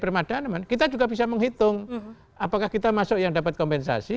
permadana kita juga bisa menghitung apakah kita masuk yang dapat kompensasi